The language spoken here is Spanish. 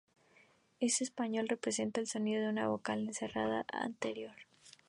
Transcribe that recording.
En español representa el sonido de una vocal cerrada y anterior.